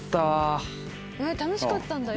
楽しかったんだ。